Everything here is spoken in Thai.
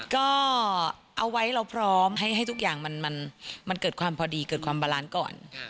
ก็เอาไว้เราพร้อมให้ทุกอย่างมันเกิดความพอดีเกิดความบาลานซ์ก่อน